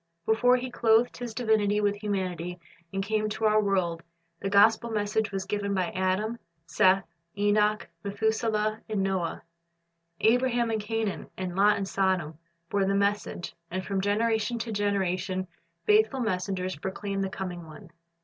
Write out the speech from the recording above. Before He clothed His divinity with humanity and came to our world, the gospel message was given by Adam, Seth, Enoch, Methuselah, and Noah. Abraham in Canaan and Lot in Sodom bore the message, and from generation to generation faithful messengers proclaimed the Coming One.